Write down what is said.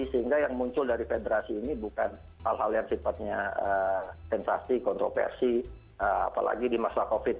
sehingga yang muncul dari federasi ini bukan hal hal yang sifatnya sensasi kontroversi apalagi di masa covid